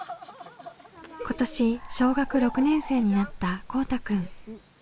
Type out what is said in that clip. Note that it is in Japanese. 今年小学６年生になったこうたくん。